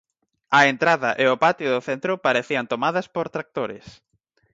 A entrada e o patio do centro parecían tomadas por tractores.